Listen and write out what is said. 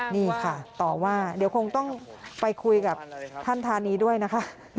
นี่ค่ะต่อว่าเดี๋ยวคงต้องไปคุยกับท่านธานีด้วยนะคะ